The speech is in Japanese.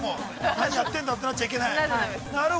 何やってんだって、なっちゃいけない。